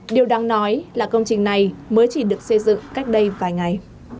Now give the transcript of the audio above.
điều đáng nói là công trình này mới chỉ được xây dựng cách đây vài ngày